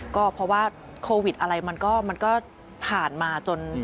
ก็เพราะว่าโควิดอะไรมันก็ผ่านมาจน